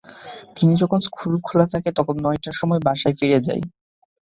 কিন্তু যখন স্কুল খোলা থাকে তখন নয়টার সময় বাসায় ফিরে যায়।